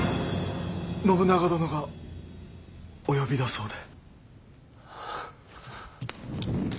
信長殿がお呼びだそうで。